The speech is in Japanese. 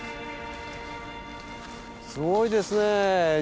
すごいですね